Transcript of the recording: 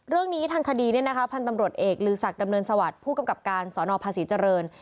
เรื่องนี้ทางคดีพันธ์ตำรวจเอกลือศักดำเนินสวัสดิ์ผู้กำกับการสนภาษีเจริญ